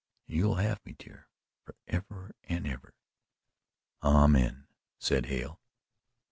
And you'll have me, dear, forever and ever " "Amen," said Hale.